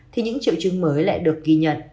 thì những triệu chứng mới lại được ghi nhận